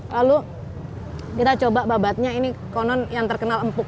lalu kita coba babatnya ini konon yang terkenal empuk